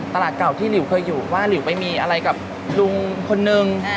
ตลาดเก่าที่หลิวเคยอยู่ว่าหลิวไปมีอะไรกับลุงคนนึง